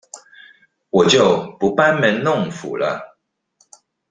我就不班門弄斧了